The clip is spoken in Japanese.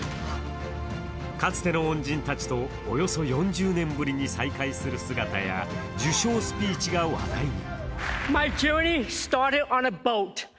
かつての恩人たちとおよそ４０年ぶりに再会する姿や受賞スピーチが話題に。